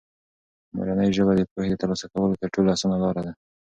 مورنۍ ژبه د پوهې د ترلاسه کولو تر ټولو اسانه لاره ده.